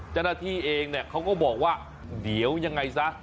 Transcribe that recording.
จนาที่เองเขาก็บอกว่าเดี๋ยวยังไงซะ